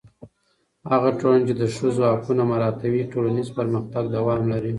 هغه ټولنه چې د ښځو حقونه مراعتوي، ټولنیز پرمختګ دوام لري.